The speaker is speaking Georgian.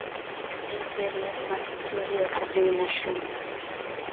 ეს სერიალი მათი პირველი ერთობლივი ნაშრომია.